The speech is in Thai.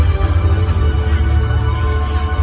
มันเป็นเมื่อไหร่แล้ว